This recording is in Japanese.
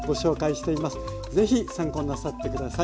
ぜひ参考になさって下さい。